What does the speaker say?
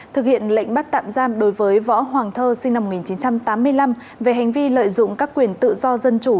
thực hiện lệnh bắt tạm giam đối với võ hoàng thơ sinh năm một nghìn chín trăm tám mươi năm về hành vi lợi dụng các quyền tự do dân chủ